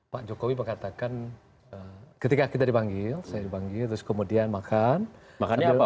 pak jokowi mengatakan ketika kita dipanggil saya dibanggil terus kemudian makan makanya the